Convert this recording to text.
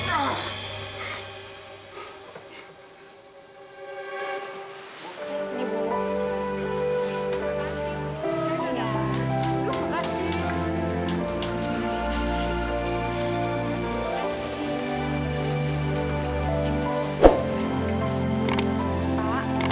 aku harus bisa